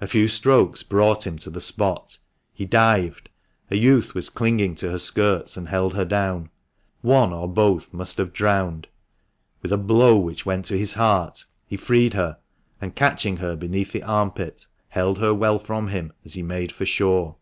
A few strokes brought him to the spot; he dived ; a youth was clinging to her skirts, and held her down. One or both must have drowned. With a blow which went to his heart, he freed her, and, catching her beneath the armpit, held her well from him as he made for shore.